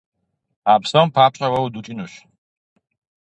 А псом папщӀэ уэ удукӀынущ!